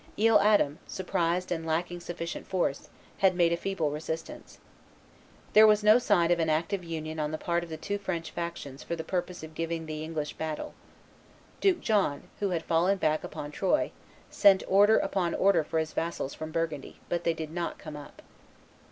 Isle Adam, surprised and lacking sufficient force, had made a feeble resistance. There was no sign of an active union on the part of the two French factions for the purpose of giving the English battle. Duke John, who had fallen back upon Troyes, sent order upon order for his vassals from Burgundy, but they did not come up.